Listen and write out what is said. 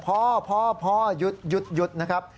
พอยุดนะครับ